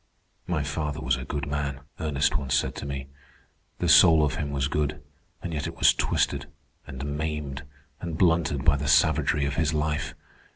"My father was a good man," Ernest once said to me. "The soul of him was good, and yet it was twisted, and maimed, and blunted by the savagery of his life.